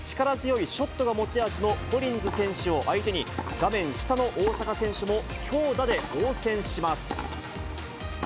力強いショットが持ち味のコリンズ選手を相手に、画面下の大坂選手も強打で応戦します。